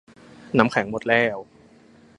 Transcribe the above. น้ำแข็งหมดแล้ว